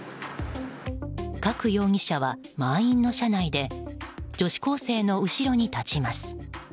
加久容疑者は満員の車内で女子高生の後ろに立ちます。